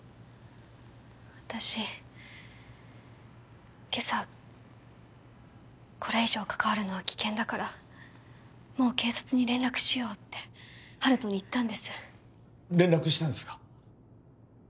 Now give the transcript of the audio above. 私今朝これ以上関わるのは危険だからもう警察に連絡しようって温人に言ったんです連絡したんですか？